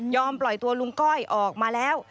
ปล่อยตัวลุงก้อยออกมาแล้ว